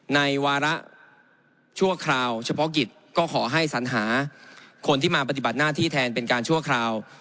วาระชั่วคราวเฉพาะกิจก็ขอให้สัญหาคนที่มาปฏิบัติหน้าที่แทนเป็นการชั่วคราว